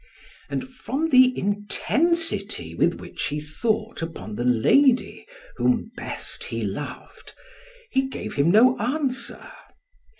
And from the intensity with which he thought upon the lady whom best he loved, he gave him no answer.